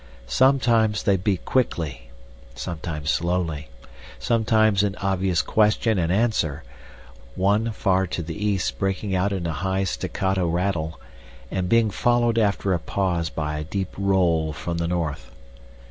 Sometimes they beat quickly, sometimes slowly, sometimes in obvious question and answer, one far to the east breaking out in a high staccato rattle, and being followed after a pause by a deep roll from the north.